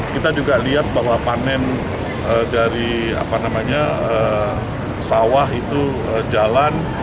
kita juga lihat bahwa panen dari sawah itu jalan